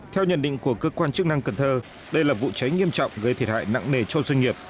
theo nhận định của cơ quan chức năng cần thơ đây là vụ cháy nghiêm trọng gây thiệt hại nặng nề cho doanh nghiệp